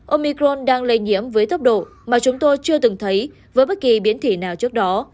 ông micron đang lây nhiễm với tốc độ mà chúng tôi chưa từng thấy với bất kỳ biến thể nào trước đó